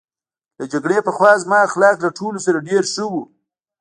له جګړې پخوا زما اخلاق له ټولو سره ډېر ښه وو